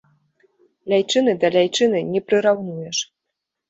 Ляйчыны да ляйчыны не прыраўнуеш.